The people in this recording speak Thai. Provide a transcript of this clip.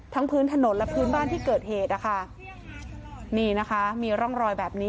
พื้นถนนและพื้นบ้านที่เกิดเหตุนะคะนี่นะคะมีร่องรอยแบบนี้